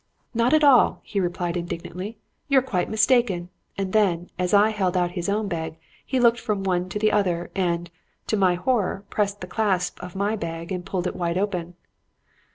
"'Not at all,' he replied indignantly. 'You're quite mistaken.' And then, as I held out his own bag, he looked from one to the other, and, to my horror, pressed the clasp of my bag and pulled it wide open.